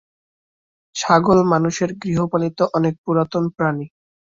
ছাগল মানুষের গৃহপালিত অনেক পুরাতন প্রাণী।